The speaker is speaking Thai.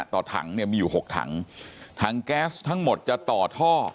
ต่อถังเนี่ยมีอยู่หกถังถังแก๊สทั้งหมดจะต่อท่อ